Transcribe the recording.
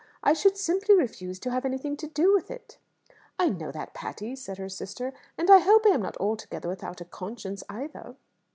I should simply refuse to have anything to do with it." "I know that, Patty," said her sister. "And I hope I am not altogether without a conscience either."